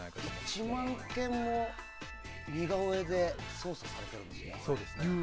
１万件も似顔絵で捜査されているんですね。